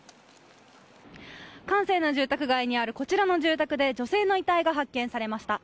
閑静な住宅街にあるこちらの住宅で女性の遺体が発見されました。